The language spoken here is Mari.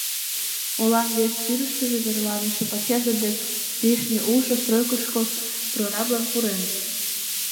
Олан вес тӱрыштыжӧ верланыше пачерже дек лишне улшо стройкышко прораблан пурен.